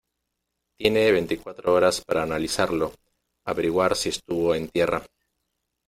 tiene veinticuatro horas para analizarlo, averiguar si estuvo en tierra